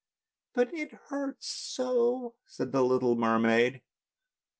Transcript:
" But it hurts so! " said the little mermaid.